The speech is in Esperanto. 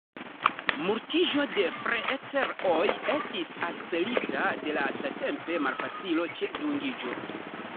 Multiĝo de freeter-oj estis akcelita de lastatempa malfacilo ĉe dungiĝo.